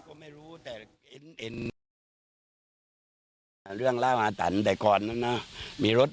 ก็ไม่รู้แต่เอ็นเรื่องเล่าอาตันแต่ก่อนนั้นนะมีรถ